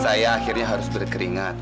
saya akhirnya harus berkeringat